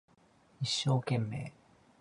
一生懸命